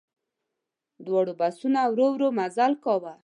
دواړو بسونو ورو ورو مزل کاوه.